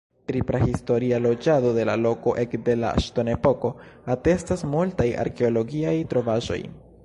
Pri prahistoria loĝado de la loko ekde la ŝtonepoko atestas multaj arkeologiaj trovaĵoj.